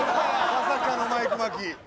まさかのマイク眞木。